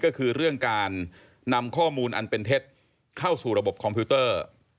ก็คือเรื่องการนำข้อมูลอันเป็นเท็จเข้าสู่ระบบคอมพิวเตอร์